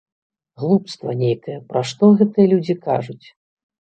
Глупства нейкае, пра што гэтыя людзі кажуць?